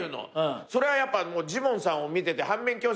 それはやっぱジモンさんを見てて反面教師でずっと。